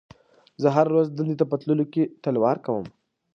زه هره ورځ دندې ته په تللو کې تلوار کوم.